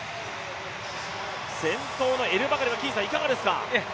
先頭のエルバカリはいかがですか？